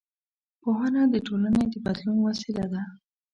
پوهنه د ټولنې د بدلون وسیله ده